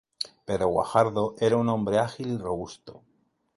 Pero Guajardo era un hombre ágil y robusto.